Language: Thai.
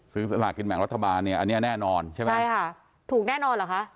สลากินแบ่งรัฐบาลเนี่ยอันนี้แน่นอนใช่ไหมใช่ค่ะถูกแน่นอนเหรอคะ